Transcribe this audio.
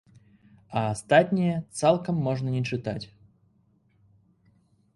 А астатняе цалкам можна не чытаць.